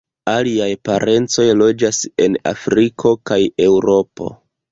Aliaj parencoj loĝas en Afriko kaj Eŭropo.